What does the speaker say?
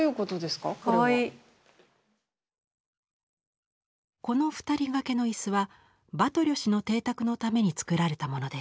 この２人がけの椅子はバトリョ氏の邸宅のために作られたものです。